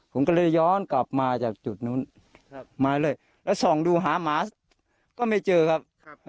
ผมก็เลยย้อนกลับมาจากจุดนู้นมาเลยแล้วส่องดูหาหมาก็ไม่เจอครับ